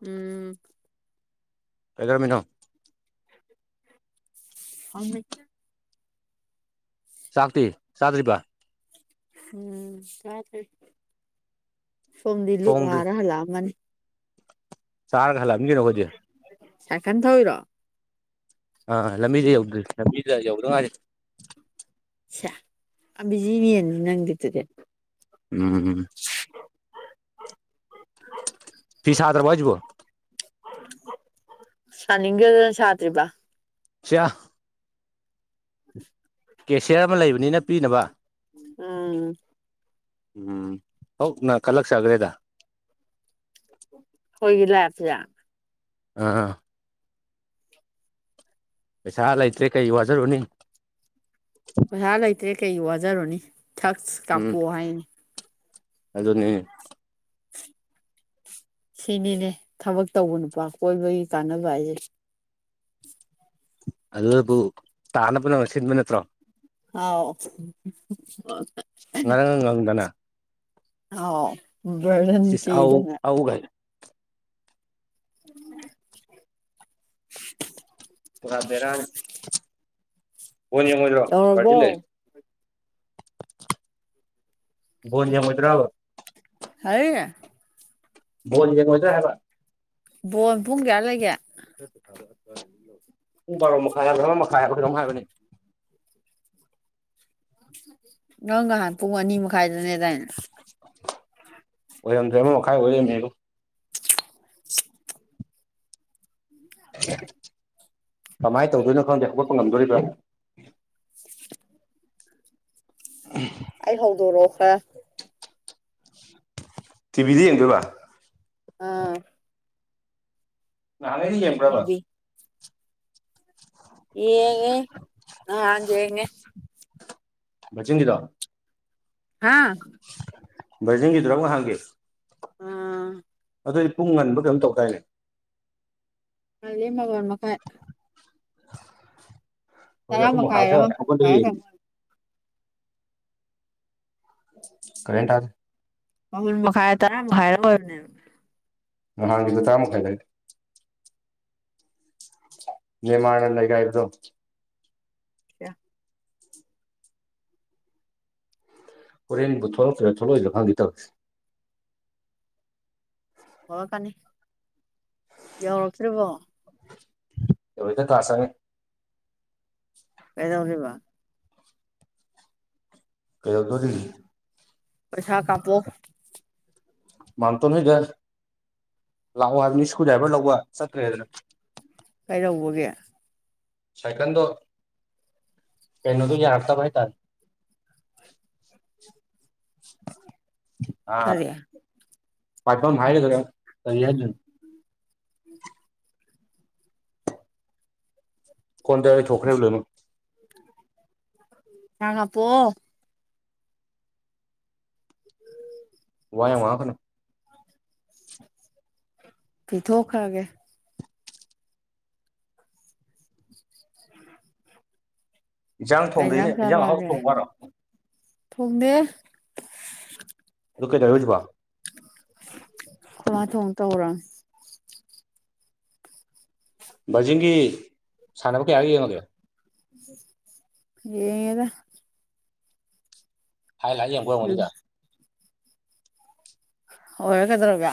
ꯎꯝ ꯀꯩꯒꯔꯃꯤꯅꯣ ꯑꯃꯤ ꯆꯥꯛꯇꯤ ꯆꯇꯔꯤꯄꯥ ꯎꯝ ꯁꯣꯝꯗꯤ ꯂꯨ ꯊꯣꯡꯗ꯭ꯔꯤ ꯋꯥꯔ ꯍꯜꯂꯛꯑꯃꯅꯤ ꯁꯥꯔꯒ ꯈꯂꯂꯝꯒꯅꯈꯣꯏꯗꯤ ꯁꯀꯥꯟ ꯊ ꯍꯣꯏꯔ ꯑꯥ ꯂꯝꯕꯤꯗ ꯌꯧꯗ꯭ꯣꯏ ꯂꯝꯕꯤꯗ ꯌꯧꯗ꯭ꯔꯉꯅꯤ ꯑꯕꯤꯖꯤꯅꯦꯅ ꯅꯪꯗꯤꯗꯨꯗꯤ ꯎꯝ ꯐꯤꯤꯁꯗ꯭ꯔ ꯋꯥꯖꯕꯣ ꯆ ꯍꯦ ꯁꯥꯇ꯭ꯔꯤꯕ ꯆ ꯀꯦꯁꯤꯌꯔ ꯑꯃ ꯂꯩꯕꯅꯤꯅ ꯄꯤꯅꯕ ꯎꯝ ꯎꯝ ꯍꯧ ꯅꯪ ꯀꯂꯛ ꯁꯒ꯭ꯔꯦꯗ ꯒꯤ ꯂꯇꯖ ꯑ ꯄꯩꯁꯥ ꯂꯩꯇ꯭ꯔꯦ ꯀꯩ ꯋꯥꯖꯔꯨꯅꯤ ꯄꯩꯁꯥ ꯂꯩꯇ꯭ꯔꯦ ꯀꯩ ꯋꯥꯖꯔꯣꯅꯤ ꯊꯛ ꯀꯥꯞꯄꯣꯛꯑꯣ ꯍꯥꯏꯅꯤ ꯑꯗꯨꯗꯣꯅꯤ ꯁꯤꯅꯤꯅꯦ ꯊꯕꯛ ꯇꯧꯕ ꯅꯨꯄꯥ ꯀꯣꯏꯕꯒꯤ ꯀꯥꯟꯅꯕ ꯍꯥꯏꯁꯦ ꯑꯗꯨꯕꯨ ꯇꯥꯅꯕ ꯄꯨꯅꯃꯛ ꯁꯤꯟꯕ ꯅꯠꯇ꯭ꯔꯣ ꯑꯥꯎ ꯉꯔꯥꯡ ꯉꯥꯡꯗꯅ ꯑꯥꯎ ꯁꯤꯁ ꯔꯇꯤ ꯑꯧ ꯏꯗꯅ ꯑꯧꯒꯥꯏ ꯎꯝ ꯄꯨꯔꯥ ꯐꯅꯤ ꯃꯂ ꯄ ꯌꯧꯔꯕꯣ ꯂꯩꯦ ꯣꯣꯟꯖ ꯃꯠꯇ꯭ꯔꯕ ꯍꯥꯏꯌꯦ ꯣꯜ ꯌꯦꯉꯖ ꯍꯥꯏꯕ ꯕꯣꯟ ꯄꯨꯡ ꯀꯌꯥ ꯂꯩꯒꯦ ꯄꯨꯡ ꯕꯥꯔꯣ ꯃꯈꯥ ꯌꯥꯎꯒꯗ꯭ꯔ ꯃꯈꯥ ꯌꯥꯎꯗ꯭ꯔꯥ ꯍꯥꯏꯕꯅꯦ ꯉꯪ ꯉꯍꯥꯟ ꯄꯨꯡ ꯑꯅꯤ ꯃꯈꯥꯏꯗꯅꯦꯗꯥꯅ ꯑꯣꯏꯔꯝꯗ꯭ꯔꯦ ꯑꯃ ꯃꯈꯥꯏ ꯑꯣꯏꯔꯝꯃꯦꯣ [inaudible] ꯀꯃꯥꯏꯅ ꯇꯧꯗꯣꯏꯅꯣ ꯈꯪꯗꯦ ꯍꯧꯒꯠꯄ ꯉꯝꯗꯣꯔꯤꯕ꯭ꯔꯣ [inaudible] ꯑ ꯑꯩ ꯍꯧꯗꯣ ꯔꯣ ꯍꯥ ꯇꯕꯤꯖꯤꯡ ꯀꯕ ꯑꯥ ꯌꯥꯅꯦꯗꯤꯦ ꯑꯍꯗꯕꯥꯗ ꯌꯦꯉꯦ ꯑ ꯌꯦꯌꯦꯉ ꯖꯗꯤꯗꯣ ꯍꯥꯥ ꯖꯦꯡꯒꯗ꯭ꯔꯕ ꯍꯦ ꯑꯥ ꯑꯗꯨꯗ ꯑꯩ ꯄꯨꯡ ꯉꯟꯕꯗꯝ ꯇꯧꯈꯥꯏꯅꯦ ꯑ ꯂꯩꯃ ꯑꯣꯏꯔꯃ ꯀꯥꯏ ꯍꯧꯈꯨꯝ ꯃꯈꯥꯏꯔ ꯃꯈꯥꯏꯗꯅꯦ ꯃꯥꯄꯜ ꯑꯩꯈꯣꯏ ꯌꯦ ꯃꯈꯥꯏꯔ ꯀꯔꯦ ꯇꯔ ꯑ ꯃꯈ ꯃꯈꯥ ꯇꯔ ꯍꯥꯏꯔ ꯑꯣꯏ ꯅꯍꯥꯟꯒꯤꯁꯨ ꯇꯥꯃꯩ ꯂꯩꯦ ꯌꯦ ꯃꯥꯂꯒꯥꯏꯣ ꯀꯌꯥ ꯍꯣꯔꯦꯟꯕꯨ ꯊꯣꯛꯂꯛꯇ꯭ꯔꯥ ꯊꯣꯛꯂꯛꯏꯁꯤꯔ ꯈꯪꯗꯦ ꯇꯧꯁꯦ ꯍꯔ ꯀꯅꯤ ꯌꯧꯔꯛꯇ꯭ꯔꯤꯕꯣ ꯑꯩꯕꯗꯤ ꯀ꯭ꯂꯥꯁꯅꯦ ꯀꯩꯗꯧꯔꯤꯕ ꯀꯩꯣꯧꯗꯔꯤ ꯄ ꯁꯥꯥ ꯀꯄ ꯃꯥꯎꯟꯇꯣꯟ ꯍꯣꯏꯗ ꯂꯥꯛꯑꯣ ꯍꯥꯏꯕꯅꯤ ꯏꯁꯀ꯭ꯔꯨ ꯗ꯭ꯔꯥꯏꯚꯔ ꯂꯧꯕ ꯆꯠꯈ꯭ꯔꯦꯗꯅ ꯔꯕꯒꯦ ꯁꯥꯏꯀꯥꯟꯗ ꯀꯩꯅ ꯇꯒꯤꯦ ꯍꯥꯔꯇ ꯍꯥꯏꯍꯤ ꯇ [unintelligible] ꯀꯔꯤ ꯄꯥꯏꯐꯝ ꯍꯥꯏꯔꯗ꯭ꯔꯔꯤ ꯍꯥꯏ ꯎꯝ ꯀꯣꯟꯇ ꯊꯣꯈ ꯎ ꯂꯩꯅ ꯌꯥꯉ ꯄ ꯎꯝ ꯋꯥ ꯌꯥ ꯋꯥ ꯐꯅ ꯐ ꯊꯣꯛꯣ ꯈꯥꯒꯦ [unintelligible] [inaudible] ꯏꯟꯁꯥꯡ ꯊꯣꯡꯗꯣꯏꯅꯦ ꯏꯟꯖꯥꯡ ꯍꯍꯥꯎ ꯊꯣꯡꯕꯔꯣ ꯊꯣꯡꯃꯦꯦ ꯑꯗꯨ ꯀꯩꯗꯧꯔꯦ ꯍꯧꯖꯤꯛꯐꯥꯎ ꯃ ꯊꯣꯡ ꯇ ꯍꯧꯔ ꯕꯔꯖꯤꯡꯒꯤ ꯁꯥꯟꯅꯕ ꯀꯌꯥꯒ ꯌꯦꯡꯉꯒꯦ ꯌꯦꯉꯗ ꯍꯥꯏꯥꯏ ꯂ ꯌꯦꯡꯕ ꯎꯝ ꯌꯦꯡꯉꯣꯅꯤꯗ ꯍꯔꯦ ꯀꯗ꯭ꯔꯣꯒ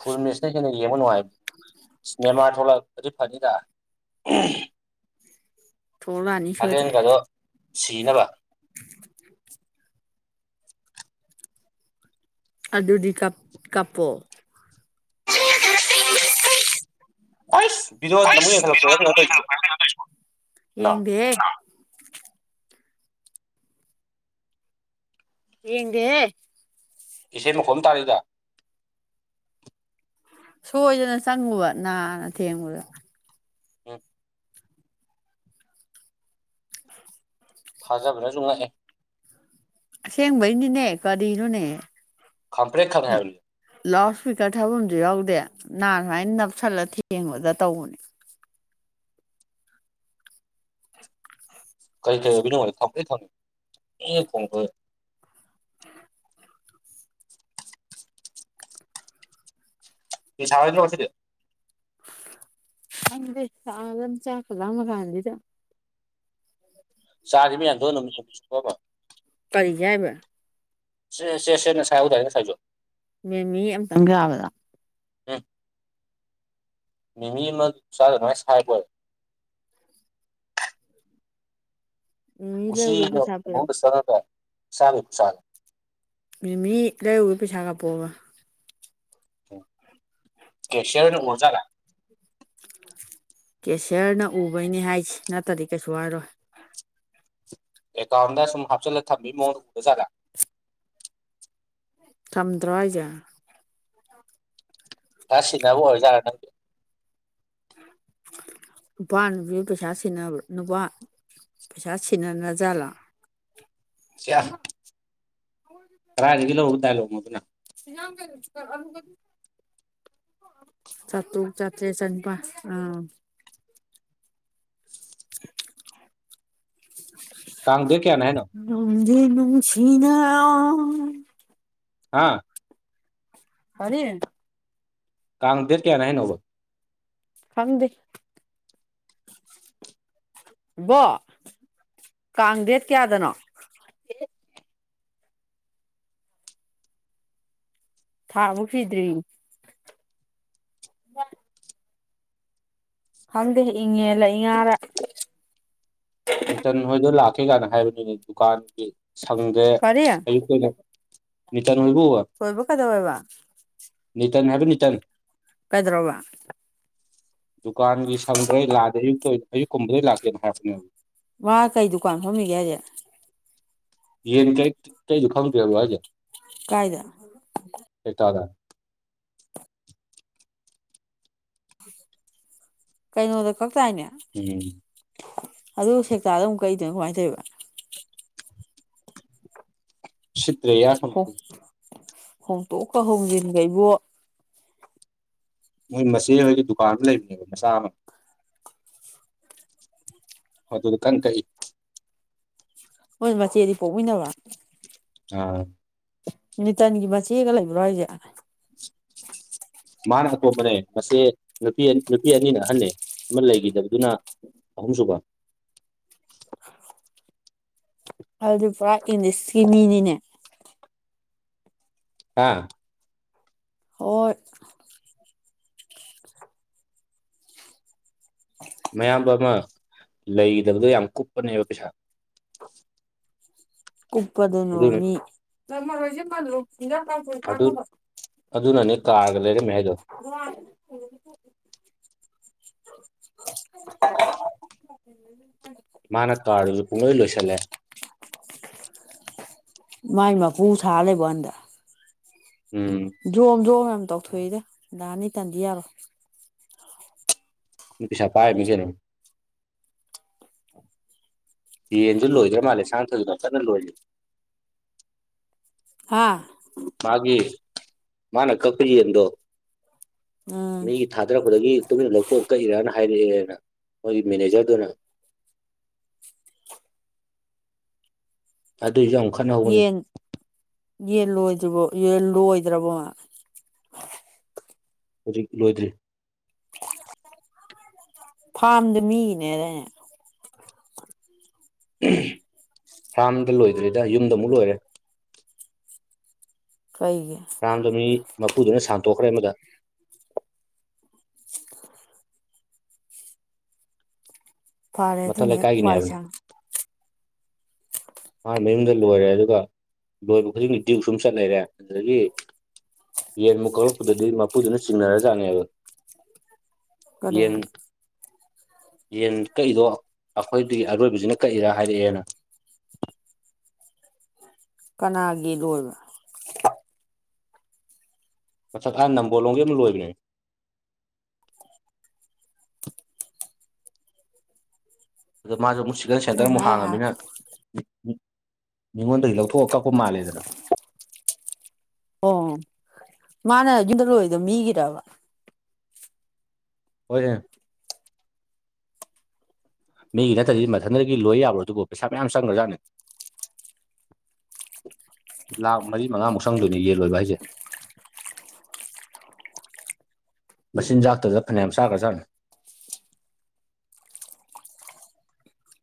ꯐꯨꯜ ꯃꯦꯠꯁꯅ ꯣꯂ ꯔꯔꯤꯐꯥꯅꯤꯗ ꯊꯂꯛꯑꯅꯤ ꯁꯣꯏꯗ꯭ꯔꯦ ꯁꯤꯅꯕ ꯑꯗꯨꯗꯤ ꯀꯞ ꯀꯥꯞꯄꯣ ꯀꯣꯏꯁ ꯕꯤꯗꯣꯠ ꯑꯃꯨꯛ ꯍꯦꯟꯈꯠꯂꯛꯄꯔꯥ ꯀꯩꯅꯣ ꯇꯧꯔꯤꯁꯤꯣ ꯌꯦꯡꯗꯦꯍꯦ ꯌꯦꯒ ꯏꯆꯦ ꯅꯨꯈꯣꯝ ꯇꯥꯔꯤꯗ ꯁꯣꯏꯗꯅ ꯆꯪꯉꯨꯕ ꯅꯥꯅ ꯊꯦꯡꯉꯨꯗ ꯑꯣ ꯊꯥꯖꯕꯅ ꯅꯨꯡꯉ ꯑꯦ ꯑꯁꯦꯡꯕꯩꯅꯤꯅꯦ ꯀꯔꯤꯅꯣꯅꯦ ꯈꯪꯄ꯭ꯔꯦꯛ ꯈꯪꯑꯦ ꯍꯥꯏꯕꯅꯦ ꯂꯥꯎꯠ ꯁ꯭ꯄꯤꯀꯔ ꯊꯥꯐꯝꯁꯨ ꯌꯥꯎꯗꯦ ꯅꯥ ꯁꯨꯃꯥꯏꯅ ꯅꯞꯁꯜꯂ ꯊꯦꯡꯕꯗ ꯇꯧꯕꯅꯦ ꯀꯩ ꯀꯩ ꯑꯣꯏꯕꯣꯏ ꯅꯤꯡꯎꯔꯦ ꯈꯪꯄ꯭ꯔꯦꯛ ꯈꯪꯑꯦ ꯑꯦ ꯈꯣꯡꯉꯛꯄꯗꯨꯗ ꯐꯤ ꯁꯥꯔꯔꯣꯏꯗ꯭ꯔꯣ ꯉꯁꯤ ꯗꯤ ꯈꯪꯗꯦ ꯁꯥꯒꯅꯤ ꯆꯥꯛꯀ ꯂꯥꯝꯃꯀꯥꯟꯁꯤꯗ ꯆꯥꯔꯤ ꯃꯌꯥꯝꯗꯨꯒ [unintelligible] ꯀꯔꯤꯒꯤ ꯍꯥꯏꯕ ꯁꯦ ꯁꯦ ꯁꯦ ꯅ ꯁꯥꯏꯍꯧ ꯗꯥꯏꯅꯦ ꯉꯁꯥꯏꯁꯨ ꯃꯤꯃꯤ ꯑꯃꯇꯪ ꯆꯥꯕꯗꯣ ꯎꯝ ꯃꯤꯃꯤ ꯑꯃ ꯆꯥꯕꯗ ꯑꯗꯥꯏ ꯁꯥꯏ ꯕꯣꯏꯔꯦ ꯃꯦꯃꯤ ꯂꯩꯔꯨꯒꯦ ꯎꯆꯤꯅ ꯄꯩꯁꯥ ꯎꯄꯨ ꯄꯤꯔꯛꯑꯣ ꯃꯅꯨꯡꯗ ꯆꯪꯉꯒ ꯆꯥꯕꯩ ꯈꯨꯆꯥꯅꯦ ꯃꯤꯃꯤ ꯂꯩꯔꯨꯕꯩ ꯄꯩꯁꯥ ꯀꯥꯞꯄꯛ ꯑꯣꯕ ꯀꯦꯁꯤꯌ꯭ꯔꯅ ꯎꯒꯔ ꯖꯥꯠꯂ ꯀꯦꯁꯤꯌ꯭ꯔꯅ ꯎꯕꯩꯅꯤ ꯍꯥꯏꯁꯦ ꯅꯠꯇ꯭ꯔꯗꯤ ꯀꯩꯁꯨ ꯍꯥꯏꯔꯣꯏ ꯑꯦꯀꯥꯎꯟꯗ ꯁꯨꯝ ꯍꯥꯞꯆꯜꯂ ꯊꯝꯕꯩ ꯃꯑꯣꯡꯗ ꯎꯔ ꯖꯥꯠꯂ ꯊꯝꯗ꯭ꯔꯣ ꯍꯥꯏꯖꯦ ꯁꯤꯟꯅꯕ ꯑꯣꯏꯔ ꯖꯥꯠꯂ ꯅꯪ ꯒꯤꯁꯦ ꯅꯨꯄꯥ ꯅꯨꯄꯤ ꯄꯩꯁꯥ ꯁꯤꯟꯅꯕ꯭ꯔ ꯅꯨꯄꯥ ꯄꯩꯁꯥ ꯁꯤꯟꯅꯅ ꯖꯥꯠꯂ ꯁꯤꯌꯥ [inaudible] ꯀꯔꯥꯏꯗꯒꯤ ꯂꯧꯔꯨꯕ ꯗꯥꯏꯂꯣꯒꯅꯣ ꯑꯗꯨꯅ [unintelligible] ꯆꯥꯇ꯭ꯔꯨꯛ ꯆꯥꯇꯔꯦꯠ ꯆꯅꯤꯄꯥꯟ ꯑꯥ ꯀꯥꯡ ꯗꯦꯠ ꯀꯌꯥꯅꯦ ꯍꯥꯏꯅꯣ ꯂꯣꯟꯅ ꯅꯨꯡꯁꯤꯅ ꯍꯥꯥ ꯀꯔꯤ ꯀꯥꯥꯡ ꯗꯦꯠ ꯀꯌꯥꯅꯦ ꯍꯥꯏꯅꯣꯕ ꯈꯪꯗꯦ ꯏꯕꯣꯛ ꯀꯥꯡ ꯗꯦꯠ ꯀꯌꯥꯗꯅꯣ ꯊꯥꯕꯣꯛ ꯁꯤꯗ꯭ꯔꯤ ꯈꯪꯗꯦ ꯏꯪꯉꯦꯜꯂ ꯏꯉꯥꯔꯥ ꯅ꯭ꯌꯨꯇꯟ ꯍꯣꯏꯗꯣ ꯂꯥꯛꯀꯦ ꯀꯥꯏꯅ ꯍꯥꯏꯕꯅꯤꯅꯦ ꯗꯨꯀꯥꯟꯒꯤ ꯁꯪꯗꯦ ꯀꯔꯤ ꯑꯌꯨꯛ ꯑꯣꯏꯅ ꯅꯤꯇꯟ ꯍꯣꯏꯕꯨ ꯊꯣꯏꯕ ꯀꯗꯧꯔꯦꯕ ꯇꯟ ꯍꯥꯏꯕ ꯅ꯭ꯌꯨꯇꯟ ꯀꯩꯗꯧꯔꯕꯥ ꯗꯨꯀꯥꯟꯒꯤ ꯁꯪꯗ꯭ꯔꯦ ꯂꯥꯛꯑꯗꯤ ꯑꯌꯨꯛꯇ ꯑꯌꯨꯛꯀꯨꯝꯕꯗꯩ ꯂꯥꯛꯀꯦꯅ ꯍꯥꯏꯔꯛ ꯄꯅꯦꯕ ꯃꯥ ꯀꯩ ꯗꯨꯀꯥꯟ ꯐꯝꯃꯤꯒꯦ ꯍꯥꯏꯁꯦ ꯌꯦꯟ ꯀꯥꯛ ꯏꯗꯣ ꯈꯪꯗꯔꯕꯣ ꯍꯥꯏꯖꯦ ꯀꯥꯏꯗ ꯀꯩꯀꯥꯗ ꯀꯩꯅꯣꯗ ꯀꯛꯇꯥꯏꯅꯦ ꯎꯝ ꯑꯗꯨꯒ ꯁꯦꯛꯇꯥꯗ ꯑꯃꯨꯛ ꯀꯛ ꯏꯗꯨꯅ ꯀꯃꯥꯏꯅ ꯇꯧꯕ ꯁꯤꯠꯇ꯭ꯔꯦꯌꯦ ꯍꯣꯡ ꯑꯁꯣꯝꯗꯗꯤ ꯍꯣꯡꯇꯣꯛꯀ ꯍꯣꯡꯖꯤꯟꯒ ꯏꯕꯣ ꯃꯣꯏ ꯃꯆꯦ ꯍꯣꯏꯒꯤ ꯗꯨꯀꯥꯟ ꯑꯃ ꯂꯩꯕꯅꯦꯕ ꯃꯆꯥ ꯑꯃ ꯃꯗꯨꯗ ꯀꯟ ꯀꯛ ꯏ ꯍ ꯃꯆꯦꯗꯤ ꯄꯣꯛꯑꯣꯣꯏꯗꯕ ꯑꯥ ꯃꯤꯅꯤꯇꯟꯒꯤ ꯃꯆꯦꯒ ꯂꯩꯕ꯭ꯔꯣ ꯍꯥꯏꯁꯦ [unintelligible] ꯃꯥꯅ ꯑꯇꯣꯝꯕꯅꯦ ꯃꯁꯦ ꯅꯨꯄꯤ ꯅꯨꯄꯤ ꯑꯅꯤꯅ ꯑꯍꯟ ꯑꯃ ꯂꯩꯈꯤꯗꯕꯗꯨꯅ ꯑꯍꯨꯝꯁꯨꯨꯕ ꯑꯗꯨꯗꯤ ꯄꯨꯔꯥ ꯏꯪꯂꯤꯁꯀꯤ ꯃꯤꯅꯤꯅꯦ ꯑꯥ ꯍꯣꯏ ꯃꯌꯥꯝꯕ ꯑꯃ ꯂꯩꯒꯗꯕꯗꯣ ꯌꯥꯝ ꯀꯨꯞꯄꯅꯦꯕ ꯄꯩꯁꯥ ꯀꯨꯞꯄꯗꯅꯣ ꯑꯗꯨꯅ ꯃꯤ ꯑꯗꯨ ꯃꯔꯣꯏꯁꯦꯅꯕ ꯑꯗꯨꯅꯅꯦ ꯀꯥꯔꯒ ꯂꯩꯔꯝꯃꯦ ꯍꯥꯏꯗꯣ ꯑ ꯑ ꯃꯥꯅ ꯀꯥꯔ ꯑꯗꯨ ꯄꯨꯡꯂꯣꯏ ꯂꯣꯏꯁꯤꯜꯂꯦ ꯃꯥꯏ ꯃꯥ ꯄꯨ ꯊꯥꯂꯦꯕꯗ ꯎꯝ ꯖꯣꯝ ꯖꯣꯝ ꯌꯥꯝ ꯇꯧꯊꯣꯛꯏꯗ ꯅꯤ ꯇꯟꯗꯤ ꯌꯥꯔꯣꯏ ꯄꯩꯁꯥ ꯄꯥꯏ ꯃꯤ ꯀꯅꯣ ꯌꯦꯟꯁꯨ ꯂꯣꯏꯗ꯭ꯔꯣꯏ ꯃꯥꯜꯂꯦ ꯁꯥꯡ ꯊꯁꯨꯅ ꯐꯖꯅ ꯂꯣꯏꯜꯂꯤ ꯑꯥ ꯃꯥꯒꯤ ꯃꯥꯅꯦ ꯀꯄꯔꯤ ꯌꯦꯗꯣ ꯎꯝ ꯃꯤꯒꯤ ꯊꯥꯗꯔꯛꯄꯗꯒꯤ ꯇꯨꯃꯤꯟꯅ ꯂꯧꯊꯣꯛ ꯀꯛꯏꯔꯅ ꯍꯥꯏꯔꯛꯑꯦꯅ ꯃꯣꯏꯒꯤ ꯃꯦꯅꯦꯖꯔꯗꯨꯅ ꯁꯨ ꯑꯣꯈꯅ ꯍꯧꯕ ꯌꯦꯟꯂꯣꯏꯗ꯭ꯔꯤꯕꯣ ꯌꯦ ꯂꯣꯏꯗ꯭ꯔꯕꯣ ꯍꯧꯖꯤꯛ ꯂꯣꯏꯗ꯭ꯔꯤ ꯐꯥꯔꯝꯗ ꯃꯤꯅꯦꯗꯅꯦ ꯐꯥꯝꯗ ꯂꯣꯏꯗ꯭ꯔꯤꯗ ꯌꯨꯝꯗ ꯑꯃꯨꯛ ꯂꯣꯏꯔꯦ ꯀꯩꯒꯤ ꯔꯥꯝꯗ ꯃꯤ ꯃꯄꯨꯗꯨꯅ ꯁꯥꯟꯇꯣꯛꯈ꯭ꯔꯦ ꯑꯃꯗ ꯐꯔꯦ ꯃꯊꯛ ꯑꯗꯨꯅꯦꯦꯛ ꯂꯩꯀꯥꯏꯒꯤꯅꯦ ꯍꯥꯏꯕꯅꯤ ꯋꯥꯏꯁꯥꯡ ꯃꯥꯅ ꯃꯌꯨꯝꯗ ꯂꯣꯏꯔꯦ ꯑꯗꯨꯒ ꯂꯣꯏꯕ ꯈꯨꯗꯤꯡꯒꯤ ꯭ꯌꯨ ꯁꯨꯝ ꯆꯠꯅꯔꯦ ꯑꯗꯨꯗꯒꯤ ꯌꯦꯟ ꯃꯨꯛ ꯀꯥꯂꯛꯄꯗꯗꯤ ꯃꯄꯨꯗꯨꯅ ꯆꯤꯡꯅꯔꯖꯥꯅꯦꯕ ꯀꯔꯤ ꯌꯦꯟ ꯌꯦꯟ ꯀꯛꯏꯗꯣ ꯑꯩꯈꯣꯏꯗꯒꯤ ꯑꯔꯣꯏꯕꯁꯤꯅ ꯀꯛꯏꯔꯥ ꯍꯥꯏꯔꯛꯑꯦꯅ ꯀꯅꯥꯒꯤ ꯂꯣꯏꯕ ꯑꯆꯥ ꯈꯥꯏ ꯅꯝꯕꯣ ꯂꯣꯡꯒꯦ ꯑꯃ ꯂꯣꯏꯕꯅꯦ ꯑ ꯃꯥꯁꯨ ꯑꯃꯨꯛ ꯁꯤꯀꯟ ꯁꯦꯟꯇꯔ ꯅꯪ ꯑꯃꯨꯛ ꯍꯥꯏ ꯑꯥꯔ ꯍꯥꯡꯉꯅꯤꯅ ꯃꯤꯉꯣꯟꯗꯒꯤ ꯂꯧꯊꯣꯛꯑꯒ ꯀ ꯎꯃꯥꯂꯦꯗ꯭ꯔ ꯑꯣ ꯃꯥꯅ ꯌꯨꯝꯗ ꯂꯣꯏꯗ ꯃꯤꯒꯤꯕ ꯍꯧꯣꯏꯦ ꯃꯤꯒꯤ ꯅꯠꯇ꯭ꯔꯗꯤ ꯃꯊꯟꯇꯗꯒꯤ ꯂꯣꯏ ꯌꯥꯕ꯭ꯔꯣ ꯑꯗꯨꯕꯨ ꯄꯩꯁꯥ ꯃꯌꯥꯝ ꯆꯪꯈ꯭ꯔꯖꯥꯠꯅꯤ ꯂꯥꯛ ꯃꯔꯤ ꯃꯉꯥꯃꯨꯛ ꯁꯪꯗꯣꯏꯅꯦ ꯌꯦꯟ ꯂꯣꯏꯕ ꯍꯥꯏꯁꯦ [inaudible] [unintelligible] ꯃꯆꯤꯟꯖꯥꯛꯇ ꯆ ꯐꯅ ꯃ ꯁꯥꯥꯒꯁꯥꯅ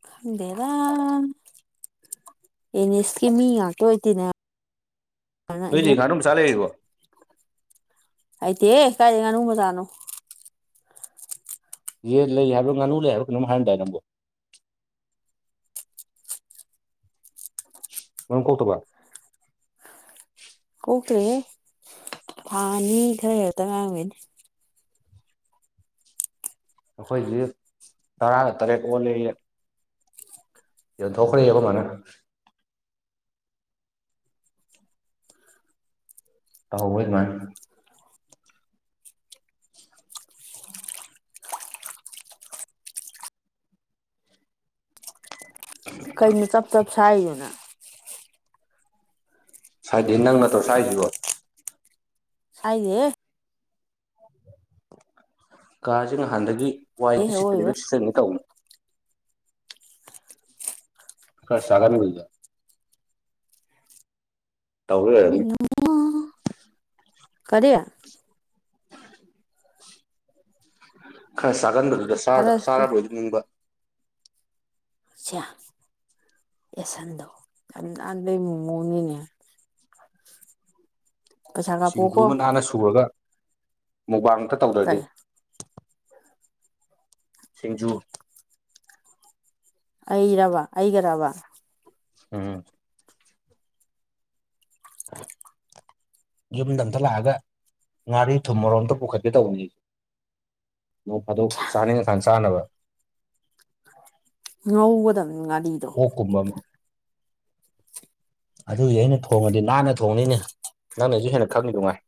ꯈꯟꯗꯦꯗ ꯑꯦꯅꯤ ꯏꯁꯀꯤ ꯃꯤ ꯉꯇꯣ ꯏꯗꯤꯅꯦ ꯇꯣꯏ ꯈꯔꯝ ꯆꯥꯦꯔꯤꯕꯣ ꯑꯥꯏꯗꯤ ꯀꯥꯏꯦ ꯉꯅꯨꯕ ꯇꯥꯅꯣ ꯌꯦ ꯂꯩ ꯍꯥꯏꯕ꯭ꯔꯣ ꯉꯥꯅꯨ ꯂꯩ ꯍꯥꯏꯕ꯭ꯔꯣ ꯀꯩꯅꯝ ꯍꯥꯏꯔꯗꯥꯏ ꯅꯪꯕꯨ ꯃꯝ ꯀꯧ ꯇꯧꯕ ꯀꯣꯈꯔꯦ ꯊꯅꯤ ꯏ ꯈꯔ ꯍꯥꯏ ꯇ ꯉ ꯑꯩꯈꯣꯏꯗꯤ ꯇꯔꯥꯒ ꯇꯔꯦꯠ ꯑꯣꯜꯂꯦ ꯌꯦ ꯊꯣꯛꯈ꯭ꯔꯦ ꯌꯦꯀꯣ ꯃꯥꯅ ꯇꯧꯍꯧꯕ ꯏꯃꯅ [unintelligible] ꯀꯩ ꯆꯞ ꯆꯞꯁꯣꯅ ꯁꯥꯏꯗꯤ ꯅꯪ ꯅꯠꯇ꯭ꯔ ꯁꯥꯏꯁꯤꯕꯣ ꯁꯥꯏꯗꯦ ꯀꯥꯁꯦ ꯅꯍꯥꯟꯗꯒꯤ ꯑꯦ ꯋꯥꯏꯗ ꯁꯤꯠꯇ꯭ꯦ ꯑꯋꯣꯏꯕ ꯂ ꯁꯤꯆꯟꯅꯦ ꯇꯧꯅꯤ ꯀ ꯁꯒꯔꯒꯖ ꯇꯧꯅꯤ ꯀꯔꯤꯌꯥ ꯈꯔ ꯆꯒꯟꯕꯗꯨꯗ ꯈꯔ ꯆꯥꯔꯕꯣꯏꯗꯨ ꯅꯤꯡꯕ ꯑꯆꯥ ꯑꯦꯁꯟꯗꯣ ꯌꯥꯝꯗ ꯃꯣꯅꯤꯅꯦ [inaudible] ꯁꯤꯡꯖꯨ ꯑꯃ ꯅꯥꯟꯅ ꯁꯨꯔꯒ ꯃꯨꯕꯥꯡꯇ ꯇꯧꯗ꯭ꯔꯗꯤ ꯀꯩ ꯁꯤꯡꯖꯨ ꯑꯩ ꯔꯕ ꯑꯩꯒ ꯔꯕ ꯎꯝ ꯑ ꯌꯨꯝꯗ ꯑ ꯑꯃꯇ ꯂꯥꯛꯑꯒ ꯉꯥꯔꯤ ꯊꯨꯝ ꯃꯔꯣꯝꯇ ꯄꯨꯈꯠꯀꯦ ꯇꯧꯕꯅꯤꯦ ꯅꯣꯡ ꯐꯥꯗꯣꯛ ꯆꯥꯅꯤꯡꯉꯀꯥꯟ ꯆꯥꯅꯕ ꯉꯧꯒꯗꯕꯅꯤ ꯉꯥꯔꯤꯗꯣ ꯑꯣꯛꯀꯨꯝꯕ ꯑꯗꯨꯗꯤ ꯑꯩꯅ ꯊꯣꯡꯉꯗꯤ ꯅꯥꯟꯅ ꯊꯣꯡꯅꯤꯅꯦ ꯅꯪꯅꯁꯨ ꯍꯦꯟꯅ ꯈꯪꯉꯤ ꯅꯨꯡꯉꯥꯏ [unintelligible]